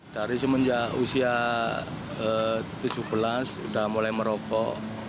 dari semenjak usia tujuh belas sudah mulai merokok